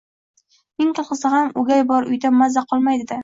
Ming qilsa ham o'gay bor uyda maza qolmaydi-da.